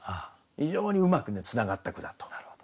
非常にうまくねつながった句だと思いましたね。